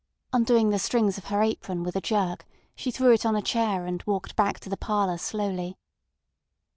Undoing the strings of her apron with a jerk, she threw it on a chair, and walked back to the parlour slowly.